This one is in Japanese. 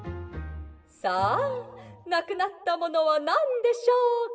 「さあなくなったものはなんでしょうか？